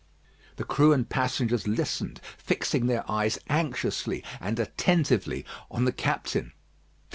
The crew and passengers listened, fixing their eyes anxiously and attentively on the captain.